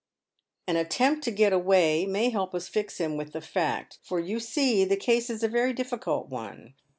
An attempt to get away may help us to fix him with the fact, for you see the case is a very difficult one.